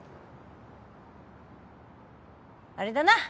あれだな。